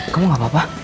kamu gak apa apa